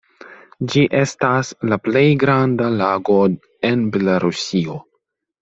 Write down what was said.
Ĝi estas la plej granda lago en Belarusio.